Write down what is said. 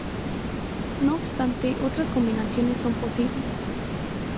No obstante, otras combinaciones son posibles.